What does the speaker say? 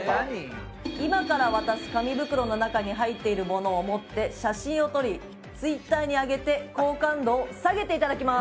今から渡す紙袋の中に入っているものを持って写真を撮りＴｗｉｔｔｅｒに上げて好感度を下げていただきます。